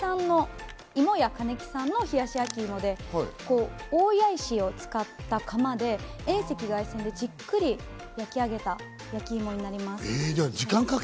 いも家ｋａｎｅｋｉさんの冷やし焼き芋で、大谷石を使った窯で、赤外線でじっくり焼き上げた焼き芋になります。